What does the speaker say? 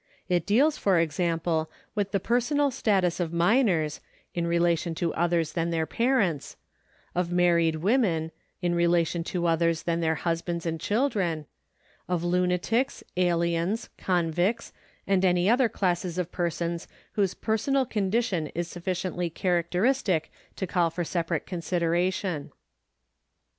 It deals, for example, with the personal status of minors (in relation to others than their parents), of married women (in relation to others than their husbands and children), of lunatics, aliens, convicts, and any other classes of persons APPENDIX IV 485 whoso personal condition is suflicicntly characteristic to call for separate consideration.